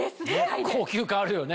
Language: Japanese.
高級感あるよね。